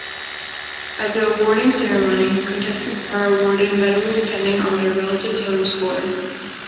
At the awarding ceremony, contestants are awarded medals depending on their relative total score.